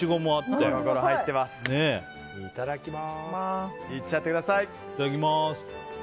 いただきます。